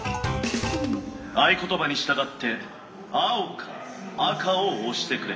「合言葉に従って青か赤を押してくれ」。